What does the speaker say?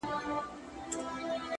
د ارادې قوت د خنډونو قد ټیټوي،